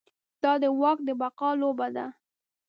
دا د واک د بقا لوبه ده.